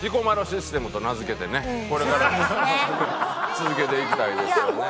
続けていきたいですよね。